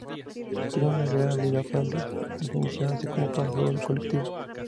Tiene una gran habilidad para la definición, así como para el juego en colectivo.